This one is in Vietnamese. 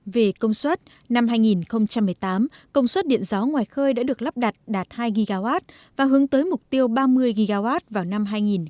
về công suất năm hai nghìn một mươi tám công suất điện gió ngoài khơi đã được lắp đặt đạt hai gigawatt và hướng tới mục tiêu ba mươi gigawatt vào năm hai nghìn hai mươi